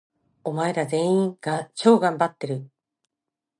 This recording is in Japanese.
お前ら、全員、超がんばっている！！！